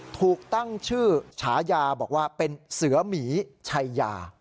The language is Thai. ถูกตั้งชื่อฉายาบอกว่าเป็นเสือหมีชัยยา